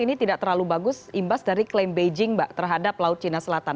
ini tidak terlalu bagus imbas dari klaim beijing mbak terhadap laut cina selatan